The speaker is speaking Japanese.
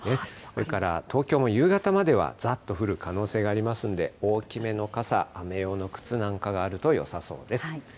それから東京も夕方まではざっと降る可能性がありますんで、大きめの傘、雨用の靴なんかがあるとよさそうです。